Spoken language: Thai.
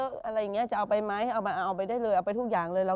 อะไรอย่างนี้จะเอาไปไหมเอาไปเอาไปได้เลยเอาไปทุกอย่างเลย